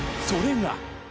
それが。